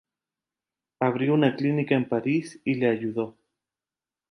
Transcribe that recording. Abrió una clínica en París y le ayudó.